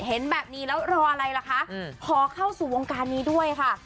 เห็นแบบนี้แล้วรออะไรล่ะคะขอเข้าสู่วงการนี้ด้วยค่ะ